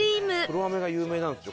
黒飴が有名なんですよ。